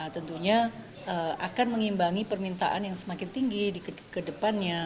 tentunya akan mengimbangi permintaan yang semakin tinggi ke depannya